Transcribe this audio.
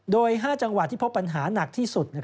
โดย๕จังหวัดที่พบปัญหาหนักที่สุด